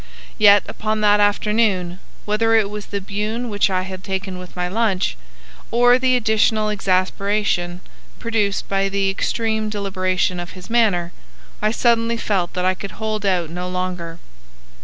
Yet upon that afternoon, whether it was the Beaune which I had taken with my lunch, or the additional exasperation produced by the extreme deliberation of his manner, I suddenly felt that I could hold out no longer.